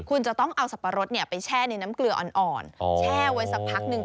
คุณจะต้องเอาสับปะรดไปแช่ในน้ำเกลืออ่อนแช่ไว้สักพักหนึ่ง